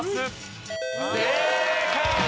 正解！